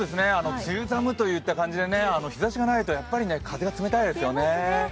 梅雨寒といった感じで、日ざしがないとやっぱり風が冷たいですよね。